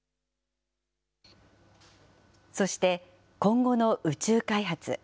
そして、今後の宇宙開発。